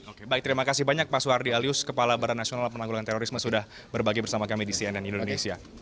oke baik terima kasih banyak pak suhardi alyus kepala badan nasional penanggulan terorisme sudah berbagi bersama kami di cnn indonesia